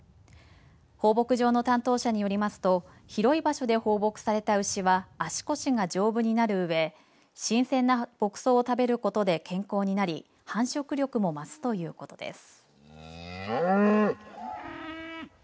放牧場の担当者によりますと広い場所で放牧された牛は足腰が丈夫になるうえ新鮮な牧草を食べることで健康になり繁殖力も増すということです。